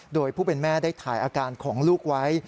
โดยผู้เป็นแม่ได้ถ่ายอาการของลูกไว้